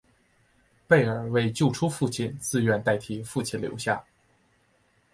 贝儿为救出父亲自愿代替父亲留下。